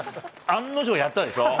案の定、やったでしょ。